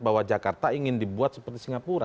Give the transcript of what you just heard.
bahwa jakarta ingin dibuat seperti singapura